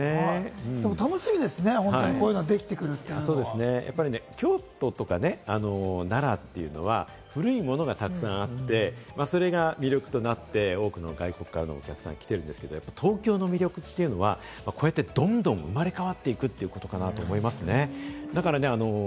でも楽しみですね、本当にこういうのができてく京都とかね、奈良っていうのは古いものがたくさんあって、それが魅力となって、外国からのお客さんが来てるんですけど東京の魅力っていうのは、こうやってどんどん生まれ変わっていくということだなと思いますね。